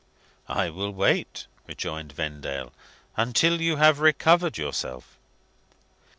"I will wait," rejoined Vendale, "until you have recovered yourself."